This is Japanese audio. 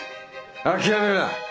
諦めるな。